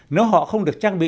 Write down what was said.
nếu họ không được trang bị